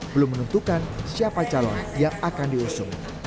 belum menentukan siapa calon yang akan diusung